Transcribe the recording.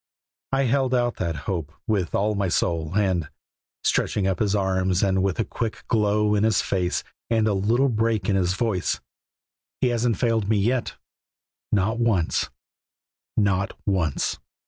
I held to that hope with all my soul, and" stretching up his arms, and with a quick glow in his face and a little break in his voice "He hasn't failed me yet; not once, not once!"